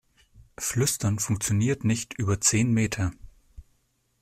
Flüstern funktioniert nicht über zehn Meter.